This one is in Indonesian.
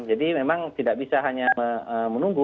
jadi memang tidak bisa hanya menunggu